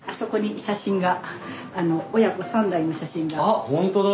あっほんとだ！